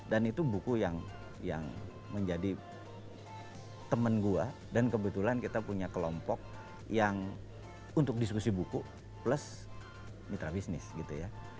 dan itu buku yang menjadi temen gue dan kebetulan kita punya kelompok yang untuk diskusi buku plus mitra bisnis gitu ya